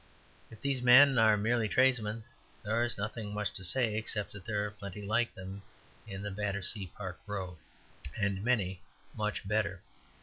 If these men are merely tradesmen, there is nothing to say except that there are plenty like them in the Battersea Park Road, and many much better.